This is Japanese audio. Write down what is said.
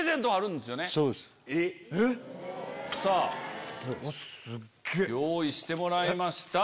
えっ⁉用意してもらいました。